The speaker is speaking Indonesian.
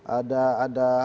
ada hal hal lainnya